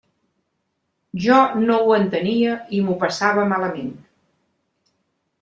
Jo no ho entenia i m'ho passava malament.